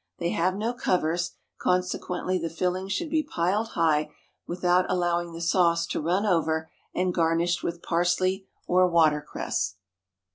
They have no covers, consequently the filling should be piled high without allowing the sauce to run over, and garnished with parsley or water cress.